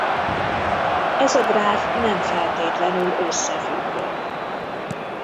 Ez a gráf nem feltétlenül összefüggő.